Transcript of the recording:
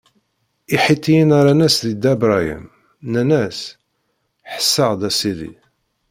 Iḥitiyen rran-as i Dda Bṛahim, nnan-as: Ḥess-aɣ-d, a sidi!